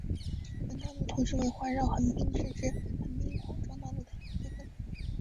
本道路同时为环绕横滨市之横滨环状道路的一部份。